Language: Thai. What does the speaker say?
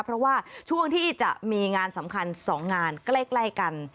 เพราะว่าช่วงที่จะมีงานสำคัญ๒งานใกล้กัน